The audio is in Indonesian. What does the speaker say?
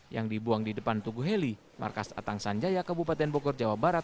yang dibuang di depan tugu heli markas atang sanjaya kabupaten bogor jawa barat